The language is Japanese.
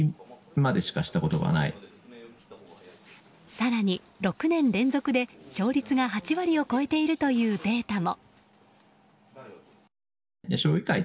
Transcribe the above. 更に、６年連続で勝率が８割を超えているというデータも。